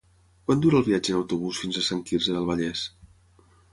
Quant dura el viatge en autobús fins a Sant Quirze del Vallès?